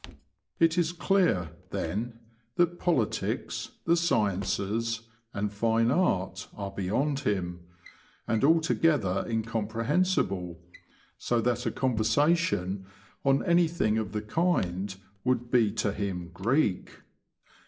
It is clear, then, that politics, the sciences, and fine art, are beyond him, and altogether incom prehensible, so that a conversation on anything of the kind would be to him Greek.